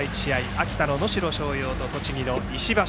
秋田の能代松陽と栃木の石橋。